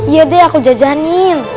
iya deh aku jajanin